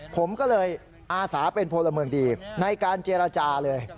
ผมก็เลยอาสาเป็นพลเมืองดีในการเจรจาเลย